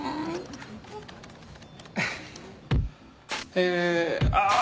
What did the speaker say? えー。ああ。